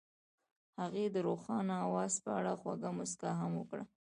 هغې د روښانه اواز په اړه خوږه موسکا هم وکړه.